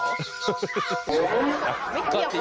ไม่เกี่ยวของรถคันนี้